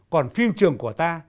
còn phim trường của ta